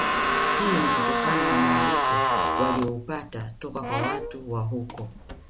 Hii ni kutokana na mualiko walioupata toka kwa watu wa huko